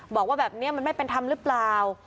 บอกว่าแบบนี้มันไม่เป็นธรรมหรือเปล่า